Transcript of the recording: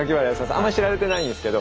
あんまり知られてないんですけど。